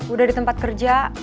udah di tempat kerja